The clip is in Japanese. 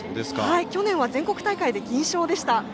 去年は全国大会で銀賞でした。